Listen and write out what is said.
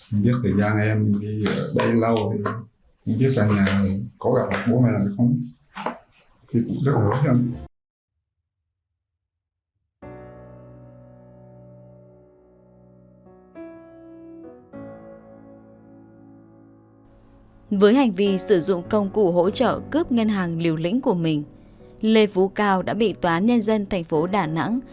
em biết thời gian em đi ở đây lâu rồi em biết rằng là có gặp bố mẹ này không